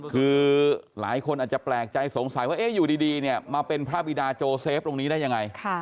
คือหลายคนอาจจะแปลกใจสงสัยว่าอยู่ดีเนี่ยมาเป็นพระบิดาโจเซฟตรงนี้ได้ยังไง